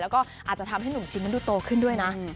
แล้วก็อาจจะทำให้หนุ่มคิมนั้นดูโตขึ้นด้วยนะ